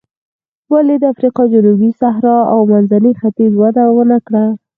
ولې د افریقا جنوبي صحرا او منځني ختیځ وده ونه کړه.